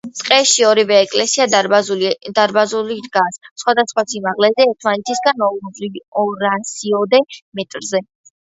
ტყეში, ორივე ეკლესია დარბაზულია, დგას სხვადასხვა სიმაღლეზე, ერთმანეთისგან ორასიოდე მეტრზე.